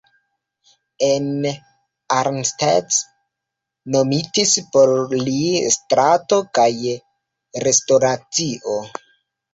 En Arnstadt nomitis por li strato kaj restoracio.